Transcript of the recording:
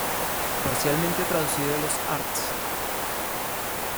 Parcialmente traducido de los Arts.